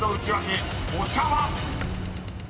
［お茶は⁉］